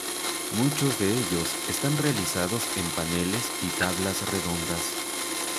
Muchos de ellos están realizados en paneles y tablas redondas.